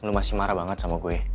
lu masih marah banget sama gue